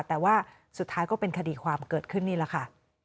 แต่ว่าสุดท้ายก็เป็นคดีความเกิดขึ้นนี่แหละค่ะ